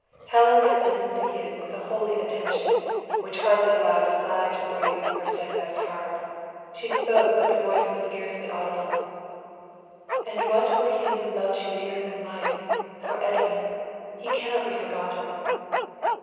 Helen had listened to him with a holy attention, which hardly allowed a sigh to breathe from her steadfast heart. She spoke, but the voice was scarcely audible. "And what for him who loves you dearer than life for Edwin? He cannot be forgotten!"